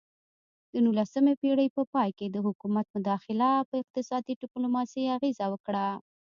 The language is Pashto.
د نولسمې پیړۍ په پای کې د حکومت مداخله په اقتصادي ډیپلوماسي اغیزه وکړه